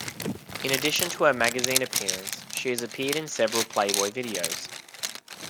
In addition to her magazine appearance she has appeared in several "Playboy" videos.